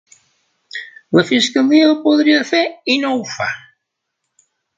La fiscalia ho podria fer i no ho fa.